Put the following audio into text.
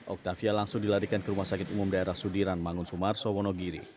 octavia langsung dilarikan ke rumah sakit umum daerah sudiran mangun sumar sowonogiri